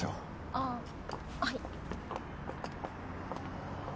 あぁはい。